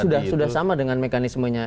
saya pikir sudah sama dengan mekanismenya